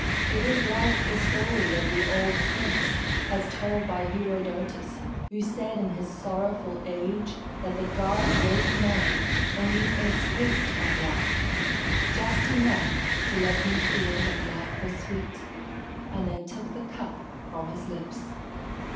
It is like the story of the old prince, as told by Herodotus, who said in his sorrowful age that the Gods gave man only a taste of life, just enough to let him feel that life was sweet, and then took the cup from his lips.